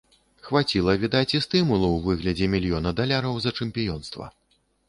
Хапіла, відаць, і стымулу ў выглядзе мільёна даляраў за чэмпіёнства.